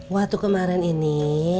waktu kemarin ini